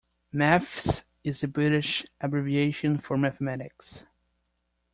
Maths is the British abbreviation for mathematics